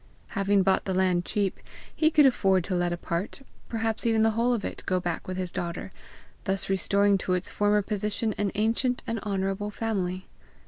Having bought the land cheap, he could afford to let a part, perhaps even the whole of it, go back with his daughter, thus restoring to its former position an ancient and honourable family.